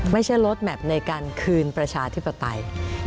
ไม่ใช่ลดแมพในการคืนประชาธิปไตย